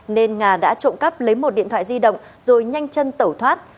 nên nga đã trộm cắp lấy một điện thoại di động rồi nhanh chân tẩu thoát